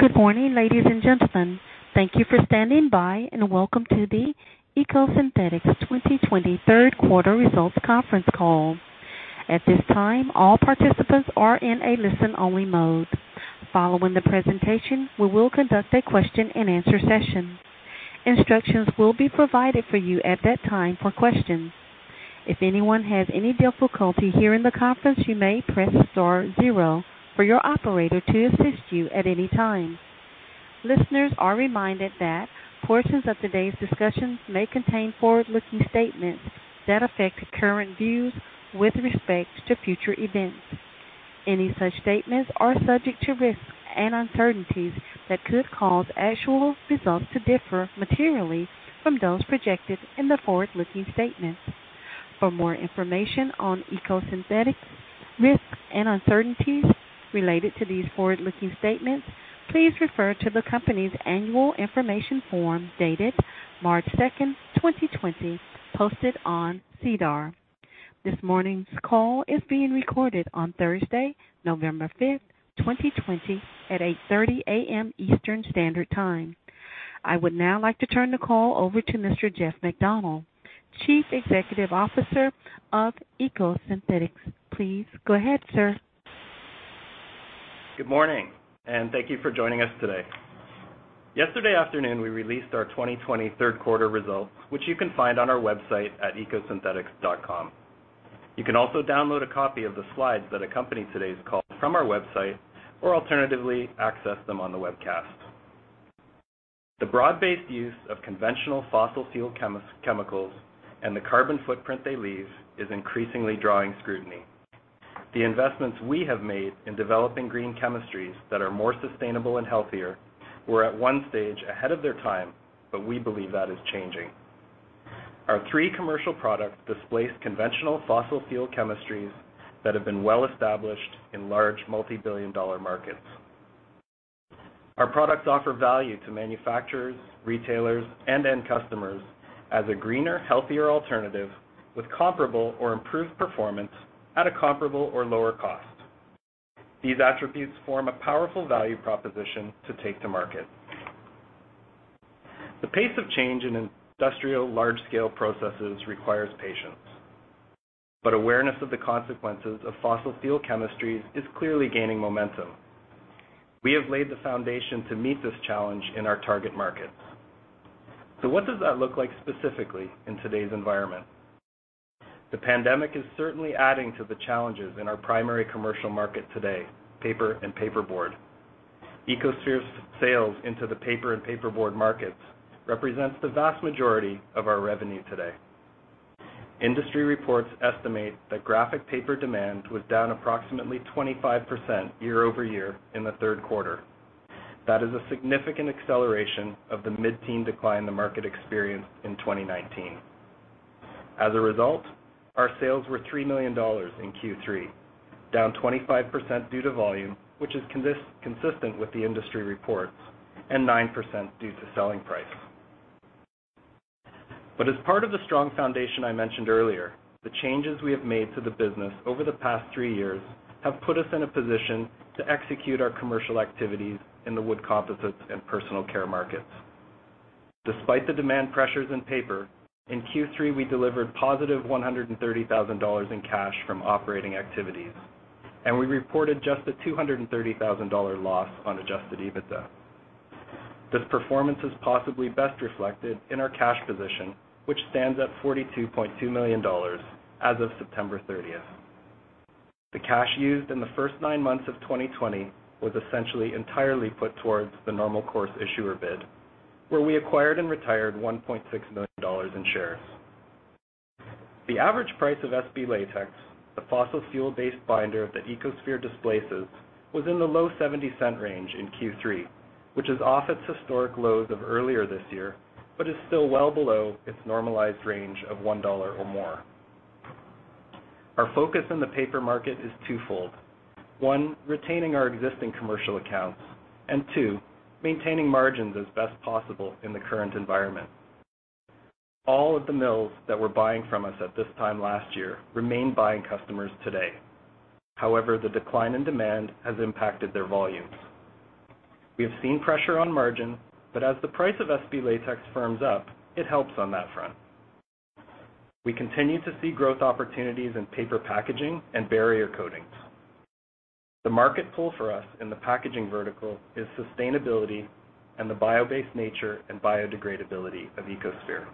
Good morning, ladies and gentlemen. Thank you for standing by and welcome to the EcoSynthetix 2020 third quarter results conference call. At this time, all participants are in a listen-only mode. Following the presentation, we will conduct a question and answer session. Instructions will be provided for you at that time for questions. If anyone has any difficulty hearing the conference, you may press star zero for your operator to assist you at any time. Listeners are reminded that portions of today's discussions may contain forward-looking statements that affect current views with respect to future events. Any such statements are subject to risks and uncertainties that could cause actual results to differ materially from those projected in the forward-looking statements. For more information on EcoSynthetix risks and uncertainties related to these forward-looking statements, please refer to the company's annual information form dated March 2nd, 2020, posted on SEDAR. This morning's call is being recorded on Thursday, November 5th, 2020 at 8:30 A.M. Eastern Standard Time. I would now like to turn the call over to Mr. Jeff MacDonald, Chief Executive Officer of EcoSynthetix. Please go ahead, sir. Good morning and thank you for joining us today. Yesterday afternoon, we released our 2020 third quarter results, which you can find on our website at ecosynthetix.com. You can also download a copy of the slides that accompany today's call from our website, or alternatively, access them on the webcast. The broad-based use of conventional fossil fuel chemicals and the carbon footprint they leave is increasingly drawing scrutiny. The investments we have made in developing green chemistries that are more sustainable and healthier were at one stage ahead of their time, but we believe that is changing. Our three commercial products displace conventional fossil fuel chemistries that have been well established in large multi-billion dollar markets. Our products offer value to manufacturers, retailers, and end customers as a greener, healthier alternative with comparable or improved performance at a comparable or lower cost. These attributes form a powerful value proposition to take to market. The pace of change in industrial large-scale processes requires patience, but awareness of the consequences of fossil fuel chemistries is clearly gaining momentum. We have laid the foundation to meet this challenge in our target markets. What does that look like specifically in today's environment? The pandemic is certainly adding to the challenges in our primary commercial market today, paper and paperboard. EcoSphere's sales into the paper and paperboard markets represents the vast majority of our revenue today. Industry reports estimate that graphic paper demand was down approximately 25% year-over-year in the third quarter. That is a significant acceleration of the mid-teen decline the market experienced in 2019. As a result, our sales were 3 million dollars in Q3, down 25% due to volume, which is consistent with the industry reports, and 9% due to selling price. As part of the strong foundation I mentioned earlier, the changes we have made to the business over the past three years have put us in a position to execute our commercial activities in the wood composites and personal care markets. Despite the demand pressures in paper, in Q3 we delivered positive 130,000 dollars in cash from operating activities, and we reported just a 230,000 dollar loss on adjusted EBITDA. This performance is possibly best reflected in our cash position, which stands at 42.2 million dollars as of September 30th. The cash used in the first nine months of 2020 was essentially entirely put towards the normal course issuer bid, where we acquired and retired 1.6 million dollars in shares. The average price of SB latex, the fossil fuel-based binder that EcoSphere displaces, was in the low 0.70 range in Q3, which is off its historic lows of earlier this year, but is still well below its normalized range of 1 dollar or more. Our focus in the paper market is twofold. One, retaining our existing commercial accounts, and two, maintaining margins as best possible in the current environment. All of the mills that were buying from us at this time last year remain buying customers today. However, the decline in demand has impacted their volumes. We have seen pressure on margin, but as the price of SB latex firms up, it helps on that front. We continue to see growth opportunities in paper packaging and barrier coatings. The market pull for us in the packaging vertical is sustainability and the bio-based nature and biodegradability of EcoSphere.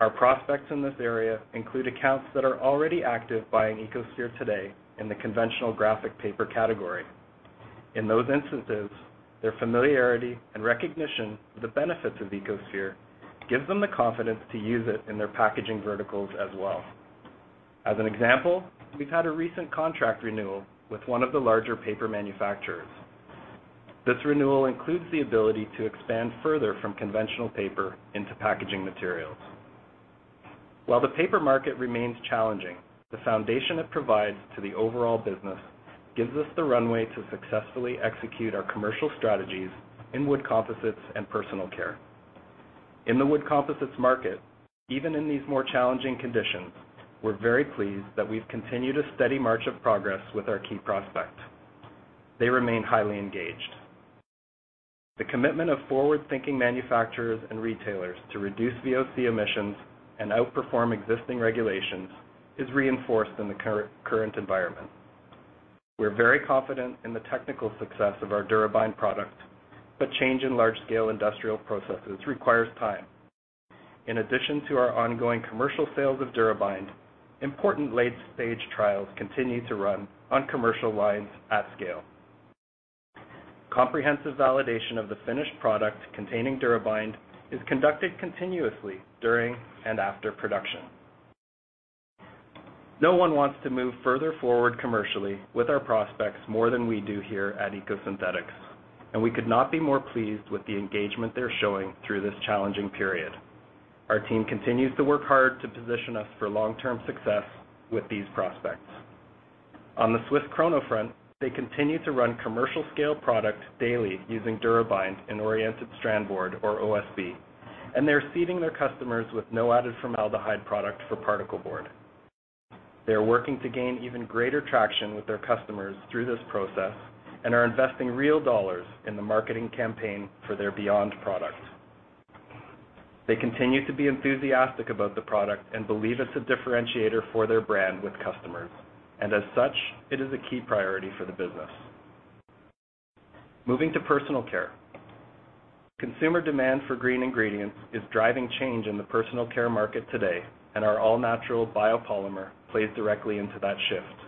Our prospects in this area include accounts that are already active buying EcoSphere today in the conventional graphic paper category. In those instances, their familiarity and recognition of the benefits of EcoSphere gives them the confidence to use it in their packaging verticals as well. As an example, we've had a recent contract renewal with one of the larger paper manufacturers. This renewal includes the ability to expand further from conventional paper into packaging materials. While the paper market remains challenging, the foundation it provides to the overall business gives us the runway to successfully execute our commercial strategies in wood composites and personal care. In the wood composites market, even in these more challenging conditions, we're very pleased that we've continued a steady march of progress with our key prospects. They remain highly engaged. The commitment of forward-thinking manufacturers and retailers to reduce VOC emissions and outperform existing regulations is reinforced in the current environment. We're very confident in the technical success of our DuraBind product, but change in large-scale industrial processes requires time. In addition to our ongoing commercial sales of DuraBind, important late-stage trials continue to run on commercial lines at scale. Comprehensive validation of the finished product containing DuraBind is conducted continuously during and after production. No one wants to move further forward commercially with our prospects more than we do here at EcoSynthetix, and we could not be more pleased with the engagement they're showing through this challenging period. Our team continues to work hard to position us for long-term success with these prospects. On the Swiss Krono front, they continue to run commercial-scale product daily using DuraBind and Oriented Strand Board or OSB, and they're seeding their customers with no-added-formaldehyde product for particle board. They are working to gain even greater traction with their customers through this process and are investing real dollars in the marketing campaign for their BE.YOND product. They continue to be enthusiastic about the product and believe it's a differentiator for their brand with customers, and as such, it is a key priority for the business. Moving to personal care. Consumer demand for green ingredients is driving change in the personal care market today, and our all-natural biopolymer plays directly into that shift.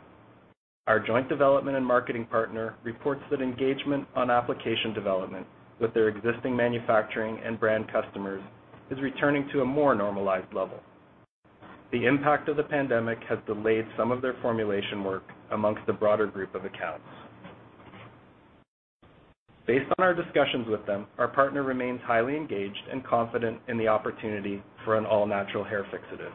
Our joint development and marketing partner reports that engagement on application development with their existing manufacturing and brand customers is returning to a more normalized level. The impact of the pandemic has delayed some of their formulation work amongst a broader group of accounts. Based on our discussions with them, our partner remains highly engaged and confident in the opportunity for an all-natural hair fixative.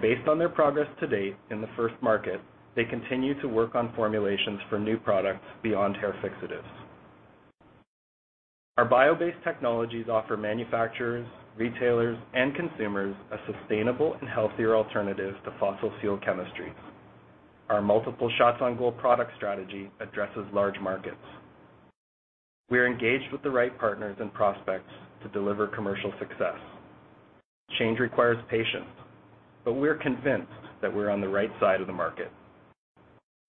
Based on their progress to date in the first market, they continue to work on formulations for new products beyond hair fixatives. Our bio-based technologies offer manufacturers, retailers, and consumers a sustainable and healthier alternative to fossil fuel chemistries. Our multiple shots on goal product strategy addresses large markets. We are engaged with the right partners and prospects to deliver commercial success. Change requires patience, but we're convinced that we're on the right side of the market.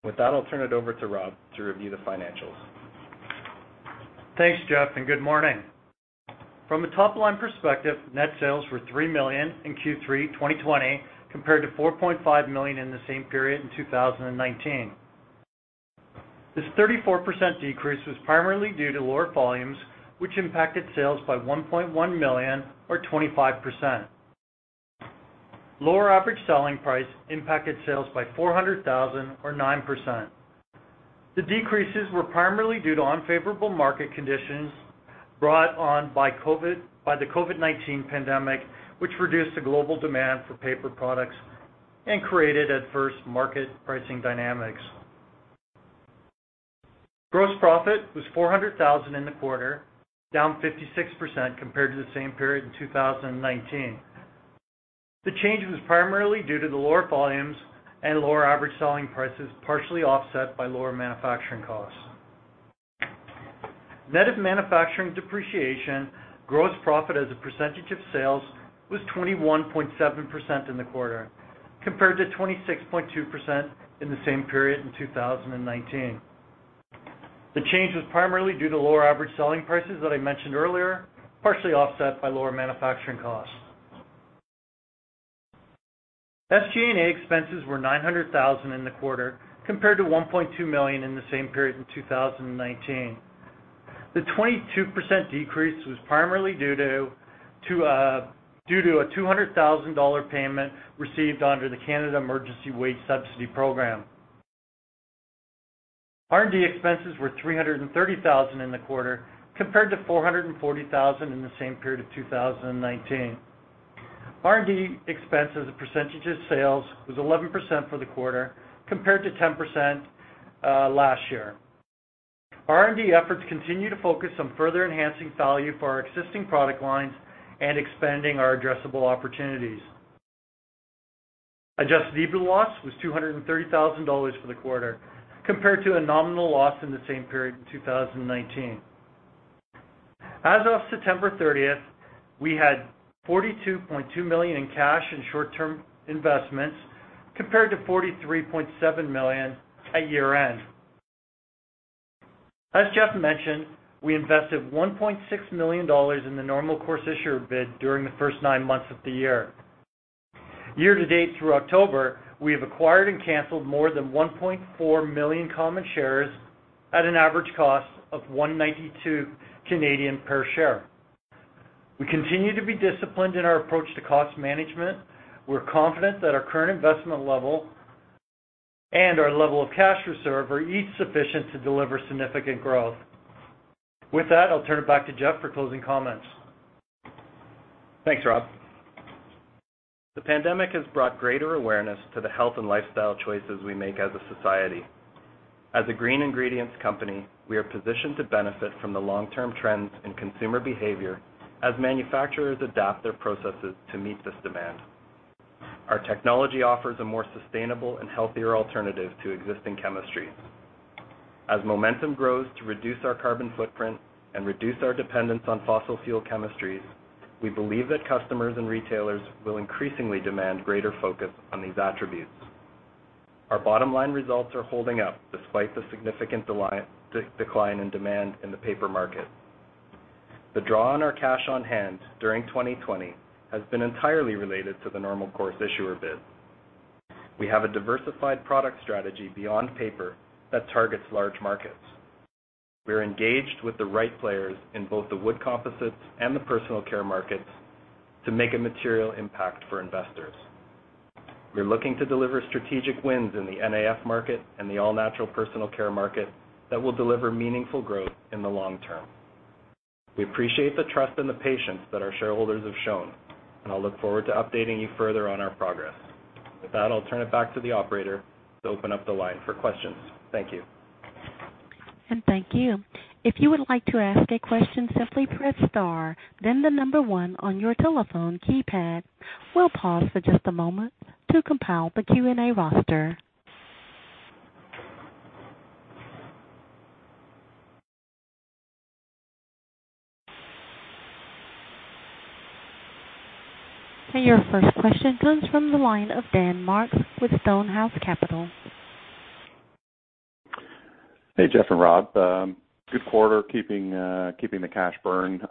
With that, I'll turn it over to Rob to review the financials. Thanks, Jeff, and good morning. From a top-line perspective, net sales were 3 million in Q3 2020 compared to 4.5 million in the same period in 2019. This 34% decrease was primarily due to lower volumes, which impacted sales by 1.1 million or 25%. Lower average selling price impacted sales by 400,000 or 9%. The decreases were primarily due to unfavorable market conditions brought on by the COVID-19 pandemic, which reduced the global demand for paper products and created adverse market pricing dynamics. Gross profit was 400,000 in the quarter, down 56% compared to the same period in 2019. The change was primarily due to the lower volumes and lower average selling prices, partially offset by lower manufacturing costs. Net of manufacturing depreciation, gross profit as a percentage of sales was 21.7% in the quarter, compared to 26.2% in the same period in 2019. The change was primarily due to lower average selling prices that I mentioned earlier, partially offset by lower manufacturing costs. SG&A expenses were 900,000 in the quarter, compared to 1.2 million in the same period in 2019. The 22% decrease was primarily due to a 200,000 dollar payment received under the Canada Emergency Wage Subsidy program. R&D expenses were 330,000 in the quarter, compared to 440,000 in the same period of 2019. R&D expense as a percentage of sales was 11% for the quarter, compared to 10% last year. Our R&D efforts continue to focus on further enhancing value for our existing product lines and expanding our addressable opportunities. Adjusted EBITDA loss was 230,000 dollars for the quarter, compared to a nominal loss in the same period in 2019. As of September 30th, we had 42.2 million in cash and short-term investments, compared to 43.7 million at year-end. As Jeff mentioned, we invested 1.6 million dollars in the normal course issuer bid during the first nine months of the year. Year to date through October, we have acquired and canceled more than 1.4 million common shares at an average cost of 1.92 per share. We continue to be disciplined in our approach to cost management. We're confident that our current investment level and our level of cash reserve are each sufficient to deliver significant growth. With that, I'll turn it back to Jeff for closing comments. Thanks, Rob. The pandemic has brought greater awareness to the health and lifestyle choices we make as a society. As a green ingredients company, we are positioned to benefit from the long-term trends in consumer behavior as manufacturers adapt their processes to meet this demand. Our technology offers a more sustainable and healthier alternative to existing chemistries. As momentum grows to reduce our carbon footprint and reduce our dependence on fossil fuel chemistries, we believe that customers and retailers will increasingly demand greater focus on these attributes. Our bottom line results are holding up despite the significant decline in demand in the paper market. The draw on our cash on hand during 2020 has been entirely related to the normal course issuer bid. We have a diversified product strategy beyond paper that targets large markets. We are engaged with the right players in both the wood composites and the personal care markets to make a material impact for investors. We are looking to deliver strategic wins in the NAF market and the all-natural personal care market that will deliver meaningful growth in the long term. We appreciate the trust and the patience that our shareholders have shown, and I look forward to updating you further on our progress. With that, I'll turn it back to the operator to open up the line for questions. Thank you. Thank you. If you would like to ask a question, simply press star, then the number one on your telephone keypad. We'll pause for just a moment to compile the Q&A roster. Your first question comes from the line of Daniel Marks with Stonehouse Capital. Hey, Jeff and Rob. Good quarter keeping the cash burn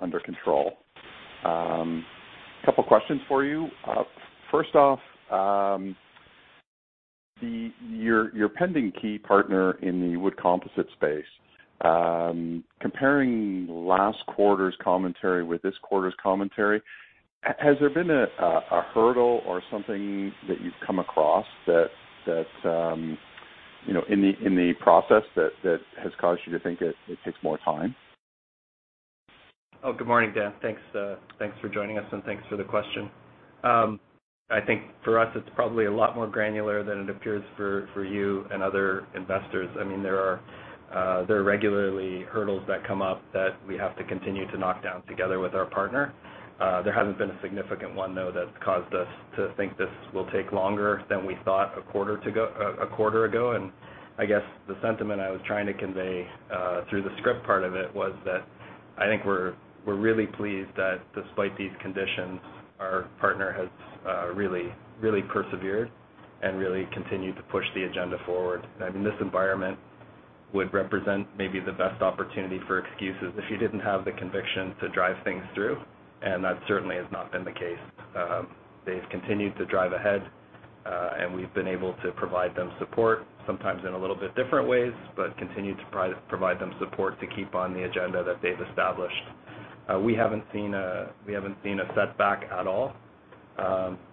under control. Couple questions for you. First off, your pending key partner in the wood composite space. Comparing last quarter's commentary with this quarter's commentary, has there been a hurdle or something that you've come across in the process that has caused you to think it takes more time? Good morning, Dan. Thanks for joining us, and thanks for the question. I think for us it's probably a lot more granular than it appears for you and other investors. There are regularly hurdles that come up that we have to continue to knock down together with our partner. There hasn't been a significant one, though, that's caused us to think this will take longer than we thought a quarter ago. I guess the sentiment I was trying to convey through the script part of it was that I think we're really pleased that despite these conditions, our partner has really persevered and really continued to push the agenda forward. This environment would represent maybe the best opportunity for excuses if you didn't have the conviction to drive things through, and that certainly has not been the case. They've continued to drive ahead, and we've been able to provide them support, sometimes in a little bit different ways, but continue to provide them support to keep on the agenda that they've established. We haven't seen a setback at all.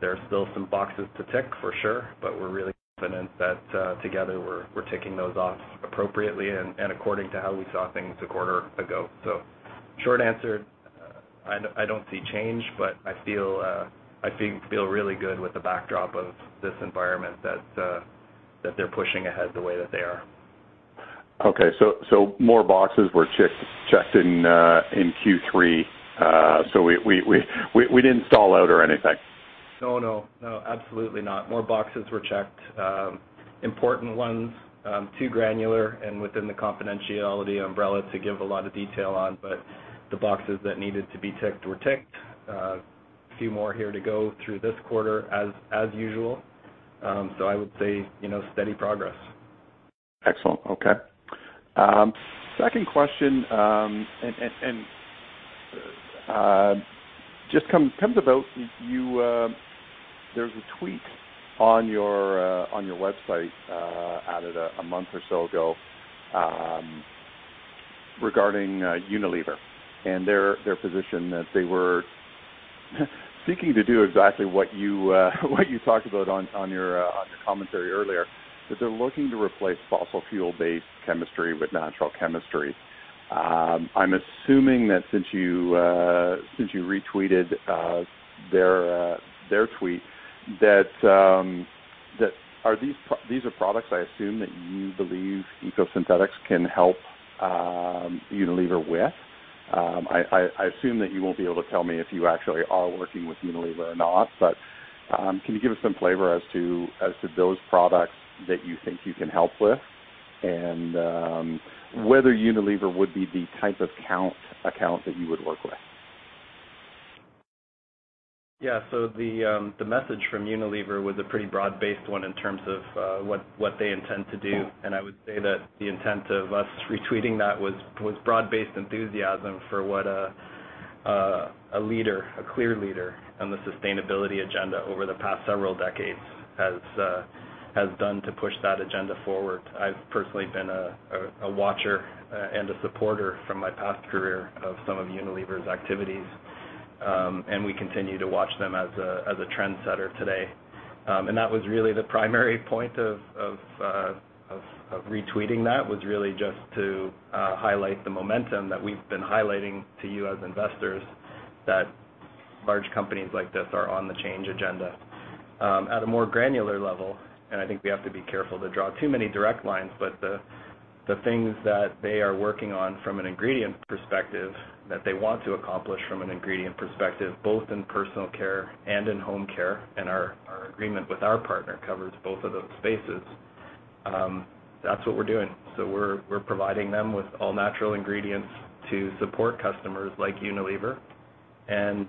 There are still some boxes to tick, for sure, but we're really confident that together we're ticking those off appropriately and according to how we saw things a quarter ago. Short answer, I don't see change, but I feel really good with the backdrop of this environment that they're pushing ahead the way that they are. Okay, more boxes were checked in Q3. We didn't stall out or anything? No. Absolutely not. More boxes were checked. Important ones. Too granular and within the confidentiality umbrella to give a lot of detail on, but the boxes that needed to be ticked were ticked. A few more here to go through this quarter as usual. I would say steady progress. Excellent. Okay. Second question, just comes about, there's a tweet on your website added a month or so ago regarding Unilever and their position that they were seeking to do exactly what you talked about on your commentary earlier, that they're looking to replace fossil fuel-based chemistry with natural chemistry. I'm assuming that since you retweeted their tweet, these are products I assume that you believe EcoSynthetix can help Unilever with. I assume that you won't be able to tell me if you actually are working with Unilever or not, but can you give us some flavor as to those products that you think you can help with and whether Unilever would be the type of account that you would work with? Yeah. The message from Unilever was a pretty broad-based one in terms of what they intend to do, and I would say that the intent of us retweeting that was broad-based enthusiasm for what a leader, a clear leader on the sustainability agenda over the past several decades has done to push that agenda forward. I've personally been a watcher and a supporter from my past career of some of Unilever's activities, and we continue to watch them as a trendsetter today. That was really the primary point of retweeting that, was really just to highlight the momentum that we've been highlighting to you as investors, that large companies like this are on the change agenda. At a more granular level, and I think we have to be careful to draw too many direct lines, but the things that they are working on from an ingredient perspective, that they want to accomplish from an ingredient perspective, both in personal care and in home care, and our agreement with our partner covers both of those spaces, that's what we're doing. We're providing them with all-natural ingredients to support customers like Unilever, and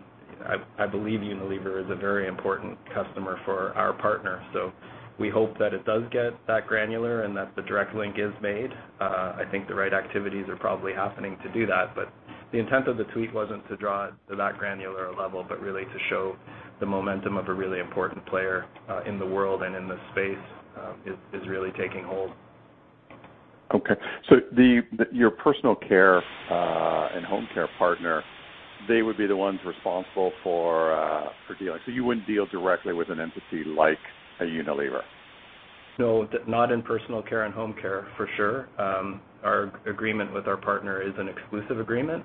I believe Unilever is a very important customer for our partner. We hope that it does get that granular and that the direct link is made. I think the right activities are probably happening to do that, but the intent of the tweet wasn't to draw it to that granular level, but really to show the momentum of a really important player in the world and in the space is really taking hold. Okay. Your personal care and home care partner, they would be the ones responsible for dealing. You wouldn't deal directly with an entity like a Unilever? No, not in personal care and home care, for sure. Our agreement with our partner is an exclusive agreement.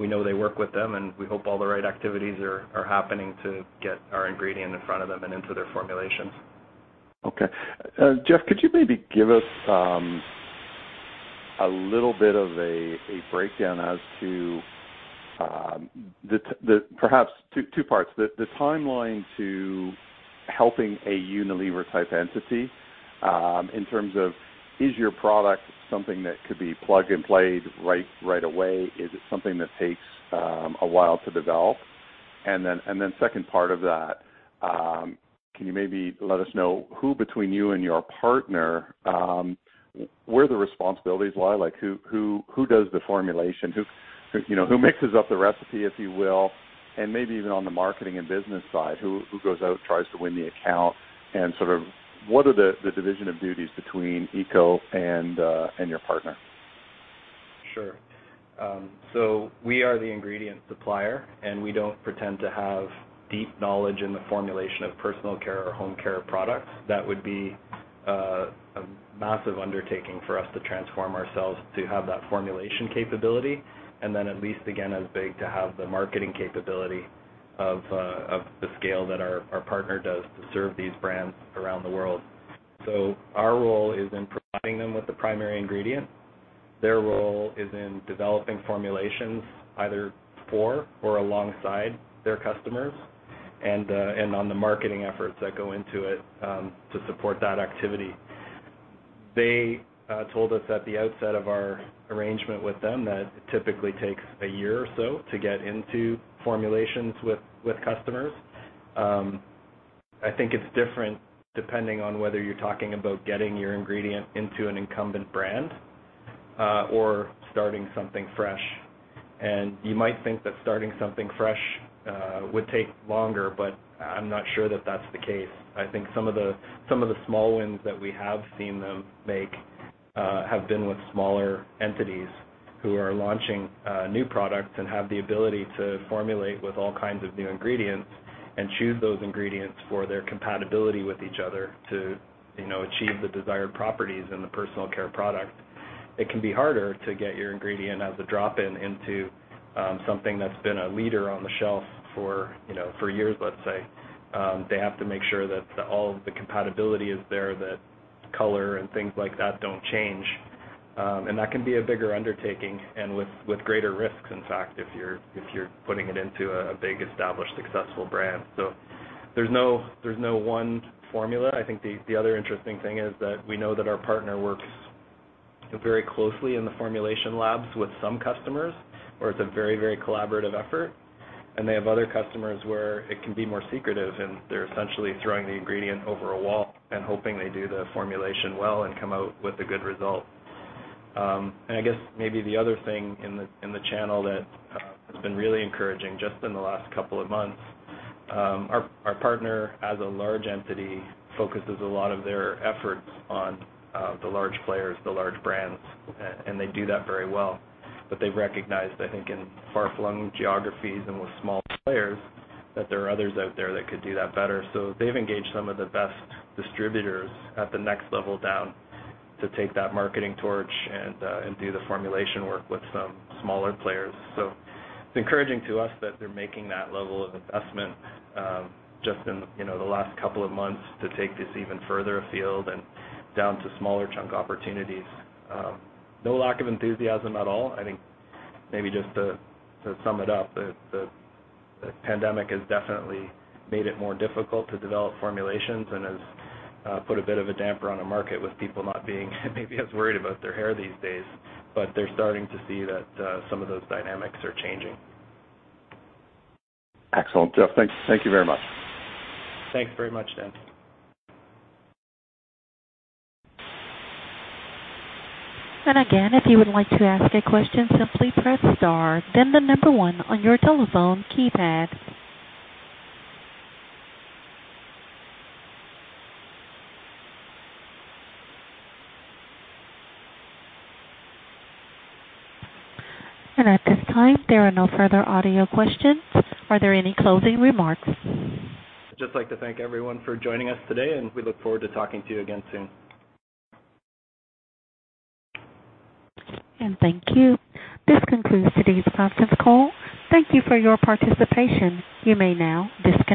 We know they work with them, and we hope all the right activities are happening to get our ingredient in front of them and into their formulations. Okay. Jeff, could you maybe give us a little bit of a breakdown as to, perhaps two parts, the timeline to helping a Unilever-type entity, in terms of, is your product something that could be plug and play right away? Is it something that takes a while to develop? Second part of that, can you maybe let us know who, between you and your partner, where the responsibilities lie? Who does the formulation? Who mixes up the recipe, if you will, and maybe even on the marketing and business side, who goes out, tries to win the account, and what are the division of duties between Eco and your partner? Sure. We are the ingredient supplier, and we don't pretend to have deep knowledge in the formulation of personal care or home care products. That would be a massive undertaking for us to transform ourselves to have that formulation capability, and then at least again, as big to have the marketing capability of the scale that our partner does to serve these brands around the world. Our role is in providing them with the primary ingredient. Their role is in developing formulations, either for or alongside their customers, and on the marketing efforts that go into it to support that activity. They told us at the outset of our arrangement with them that it typically takes a year or so to get into formulations with customers. I think it's different depending on whether you're talking about getting your ingredient into an incumbent brand or starting something fresh. You might think that starting something fresh would take longer, but I'm not sure that that's the case. I think some of the small wins that we have seen them make have been with smaller entities who are launching new products and have the ability to formulate with all kinds of new ingredients and choose those ingredients for their compatibility with each other to achieve the desired properties in the personal care product. It can be harder to get your ingredient as a drop-in into something that's been a leader on the shelf for years, let's say. They have to make sure that all of the compatibility is there, that color and things like that don't change. That can be a bigger undertaking and with greater risks, in fact, if you're putting it into a big, established, successful brand. There's no one formula. I think the other interesting thing is that we know that our partner works very closely in the formulation labs with some customers, where it's a very collaborative effort. They have other customers where it can be more secretive, and they're essentially throwing the ingredient over a wall and hoping they do the formulation well and come out with a good result. I guess maybe the other thing in the channel that has been really encouraging, just in the last couple of months, our partner, as a large entity, focuses a lot of their efforts on the large players, the large brands, and they do that very well. They've recognized, I think, in far-flung geographies and with smaller players, that there are others out there that could do that better. They've engaged some of the best distributors at the next level down to take that marketing torch and do the formulation work with some smaller players. It's encouraging to us that they're making that level of investment just in the last couple of months to take this even further afield and down to smaller chunk opportunities. No lack of enthusiasm at all. I think maybe just to sum it up, the pandemic has definitely made it more difficult to develop formulations and has put a bit of a damper on a market with people not being maybe as worried about their hair these days, but they're starting to see that some of those dynamics are changing. Excellent, Jeff. Thank you very much. Thanks very much, Dan. Again, if you would like to ask a question, simply press star then the number one on your telephone keypad. At this time, there are no further audio questions. Are there any closing remarks? Just like to thank everyone for joining us today, and we look forward to talking to you again soon. Thank you. This concludes today's conference call. Thank you for your participation. You may now disconnect.